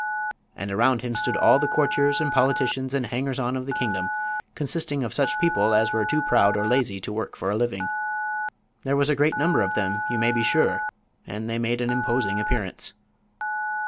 And around him stood all the courtiers and politicians and hangers on of the kingdom, consisting of such people as were too proud or lazy to work for a living. There was a great number of them, you may be sure, and they made an imposing appearance.